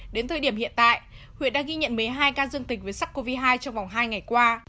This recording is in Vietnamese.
đến thời điểm hiện tại huyện đã ghi nhận mấy hai ca dương tính với sắc covid hai trong vòng hai ngày qua